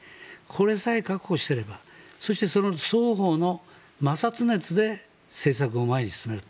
これさえ確保していればそしてその双方の摩擦熱で政策を前に進める。